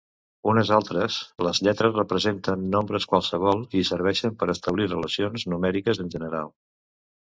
Unes altres, les lletres representen nombres qualssevol i serveixen per establir relacions numèriques en general.